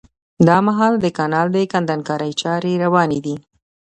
دا مهال د کانال د کندنکارۍ چاري رواني دي